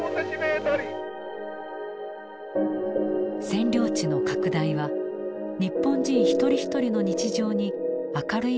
占領地の拡大は日本人一人一人の日常に明るいものとして現れてくる。